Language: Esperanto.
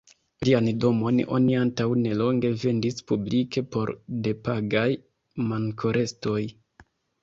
Lian domon oni antaŭ nelonge vendis publike por depagaj mankorestoj.